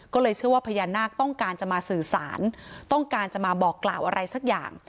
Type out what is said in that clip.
ก็เลยเชื่อว่าพญานาคต้องการจะมาสื่อสารต้องการจะมาบอกกล่าวอะไรสักอย่าง